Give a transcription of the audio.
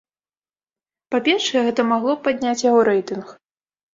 Па-першае, гэта магло б падняць яго рэйтынг.